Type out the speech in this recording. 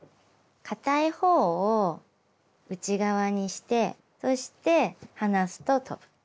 かたい方を内側にしてそして離すと飛ぶ。